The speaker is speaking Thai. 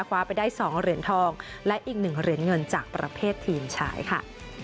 ไปได้๒เหรียญทองและอีก๑เหรียญเงินจากประเภททีมชายค่ะ